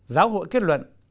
giáo hội kết luận